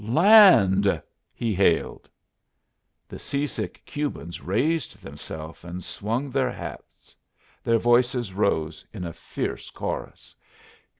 "Land!" he hailed. The sea sick Cubans raised themselves and swung their hats; their voices rose in a fierce chorus.